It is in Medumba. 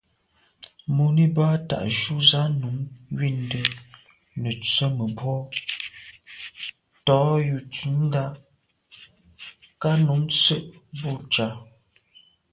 Mùní bə́ á tá'’jú zǎ nunm wîndə́ nə̀ tswə́ mə̀bró tɔ̌ yù tǔndá kā á nun sə̂' bû ncà.